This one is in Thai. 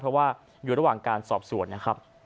เพราะว่าอยู่ระหว่างการสอบสวนนะครับ